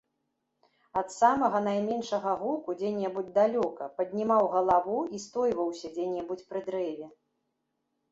Ад самага найменшага гуку дзе-небудзь далёка паднімаў галаву і стойваўся дзе-небудзь пры дрэве.